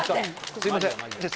すみません。